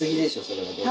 それは。